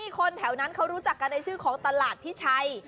คนแถวนั้นเขารู้จักกันในชื่อของตลาดพิชัย